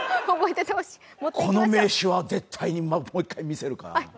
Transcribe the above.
この名刺は絶対にもう一回見せるから。